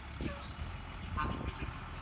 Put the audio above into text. هېڅوک بايد د زده کړې مخه ونه نيسي.